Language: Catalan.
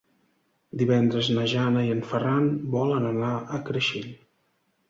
Divendres na Jana i en Ferran volen anar a Creixell.